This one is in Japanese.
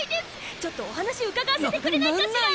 ちょっとお話伺わせてくれないかしら？